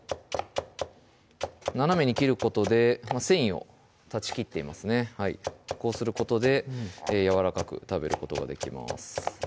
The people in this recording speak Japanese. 斜めに切ることで繊維を断ち切っていますねこうすることでやわらかく食べることができます